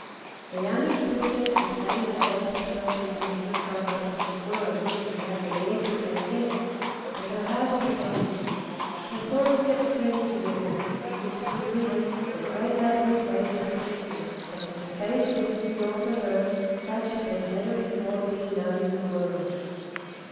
The youngest Princess would fain have let herself be convinced by her sisters' words, and have believed what they said, but her heart was heavy. Her thoughts kept turning to the book, in which stood written that great happiness waited her sisters, but that a fate was in store for her such as had never before been known in the world.